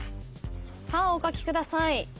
さあお書きください。